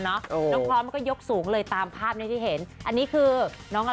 น้องพร้อมก็ยกสูงเลยตามภาพที่เห็น